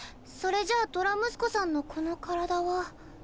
それじゃドラムスコさんのこの体は。